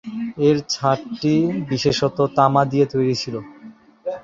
এর ছাদটি বিশেষত তামা দিয়ে তৈরি ছিল।